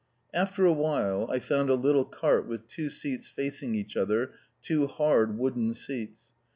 After a while I found a little cart with two seats facing each other, two hard wooden seats.